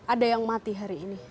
ada yang mati hari ini